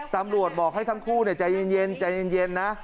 ตำรวจบอกให้ทั้งคู่ใจเย็นนะ